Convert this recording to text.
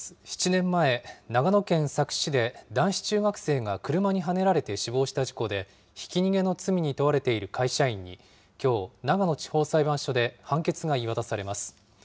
７年前、長野県佐久市で、男子中学生が車にはねられて死亡した事故で、ひき逃げの罪に問われている会社員に、きょう、長野地方裁判所で判決が言い渡されます。